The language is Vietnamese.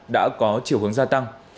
đã có chiều hướng gia tăng